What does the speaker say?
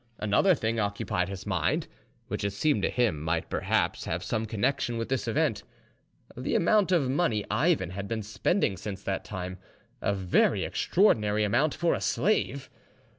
Another thing occupied his mind, which it seemed to him might perhaps have some connection with this event—the amount of money Ivan had been spending since that time, a very extraordinary amount for a slave.